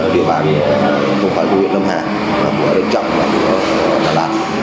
điều bàn không phải của huyện lâm hà mà của đất trọng và của đà lạt